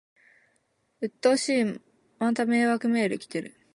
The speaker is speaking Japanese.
うっとうしい、また迷惑メール来てる